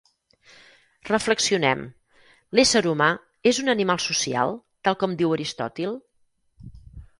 Reflexionem: l'ésser humà, és un animal social, tal com diu Aristòtil?